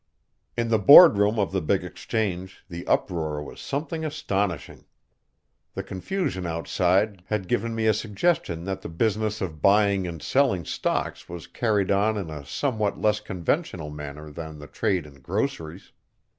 In the Board Room of the big Exchange the uproar was something astonishing. The confusion outside had given me a suggestion that the business of buying and selling stocks was carried on in a somewhat less conventional manner than the trade in groceries.